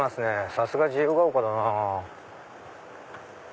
さすが自由が丘だな。